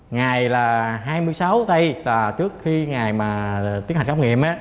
ngày là hai mươi sáu tây trước khi ngày mà tiến hành khám nghiệm